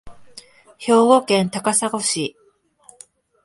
兵庫県高砂市